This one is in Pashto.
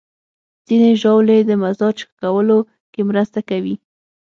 ځینې ژاولې د مزاج ښه کولو کې مرسته کوي.